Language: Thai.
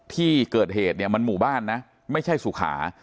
ที่เกิดเหตุเนี่ยมันหมู่บ้านนะไม่ใช่สุขา